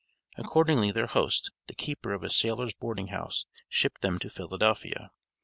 Accordingly their host, the keeper of a sailor's boarding house, shipped them to Philadelphia.